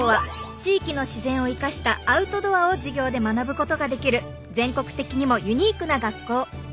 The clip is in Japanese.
地域の自然を生かした「アウトドア」を授業で学ぶことができる全国的にもユニークな学校。